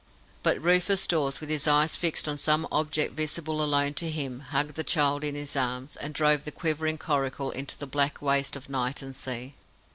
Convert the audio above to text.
But Rufus Dawes, with his eyes fixed on some object visible alone to him, hugged the child in his arms, and drove the quivering coracle into the black waste of night and sea.